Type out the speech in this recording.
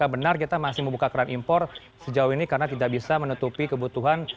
benar kita masih membuka keran impor sejauh ini karena tidak bisa menutupi kebutuhan